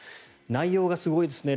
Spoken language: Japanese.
内容がすごいですね。